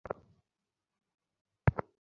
একটু কোলে নিক না?